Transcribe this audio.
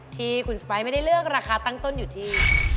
ที่คุณสไปร์ไม่ได้เลือกราคาตั้งต้นอยู่ที่